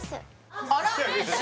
あら